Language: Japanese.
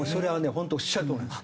本当おっしゃるとおりなんです。